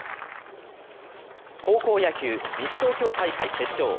高校野球、西東京大会決勝。